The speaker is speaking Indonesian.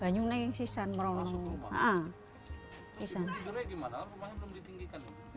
banyak yang ada